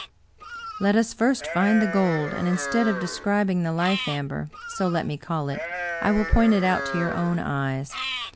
" Let us first find the gold, and instead of describing the life amber, so let me call it, I will point it out to your own eyes.